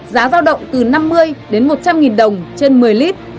giá giao động từ năm mươi đến một trăm linh đồng trên một mươi lit